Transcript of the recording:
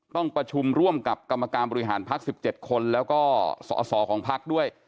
ต้องประชุมร่วมกับกรรมการบริหารพัก๑๗คนแล้วก็สอสอของพักด้วย